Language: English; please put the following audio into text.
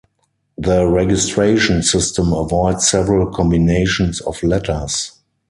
The registration system avoids several combinations of letters.